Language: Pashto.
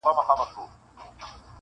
غرونه او فضا ورته د خپل درد برخه ښکاري,